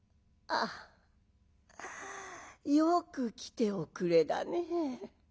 「ああよく来ておくれだね。